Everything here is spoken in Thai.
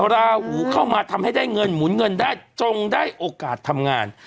ราหูเข้ามาทำให้ได้เงินหมุนเงินได้จงได้โอกาสทำงาน